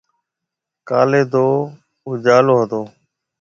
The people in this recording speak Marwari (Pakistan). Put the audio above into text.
ڪاليَ تو اُجاݪو هتو۔